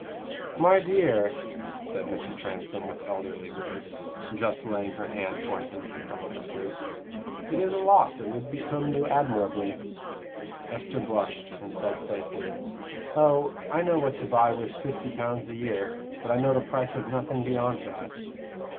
"My dear," said Mrs. Transome with elderly grace, just laying her hand for an instant on Esther's, "it is a lot that would become you admirably." Esther blushed, and said playfully: "Oh, I know what to buy with fifty pounds a year, but I know the price of nothing beyond that."